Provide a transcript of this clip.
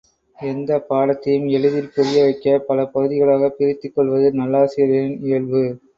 எந்தப் பாடத்தையும் எளிதில் புரியவைக்கப் பல பகுதிகளாகப் பிரித்துக் கொள்வது நல்லாசிரியரின் இயல்பு.